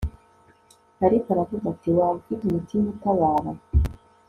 ariko aravuga ati waba ufite umutima utabara